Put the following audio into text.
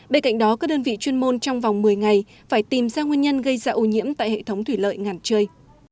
bên cạnh đó các đơn vị chuyên môn trong vòng một mươi ngày phải tìm ra nguyên nhân gây ra ô nhiễm tại hệ thống thủy lợi ngàn trươi